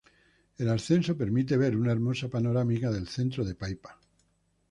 El ascenso permite ver una hermosa panorámica del centro de Paipa.